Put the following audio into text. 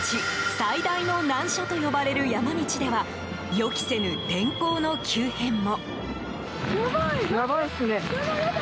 最大の難所と呼ばれる山道では予期せぬ、天候の急変も。